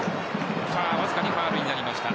わずかにファウルになりました。